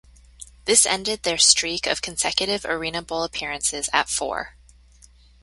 This ended their streak of consecutive ArenaBowl appearances at four.